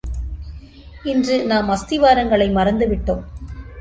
இன்று நாம் அஸ்திவாரங்களை மறந்து விட்டோம்!